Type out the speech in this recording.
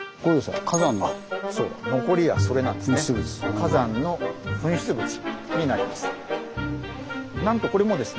火山の噴出物になります。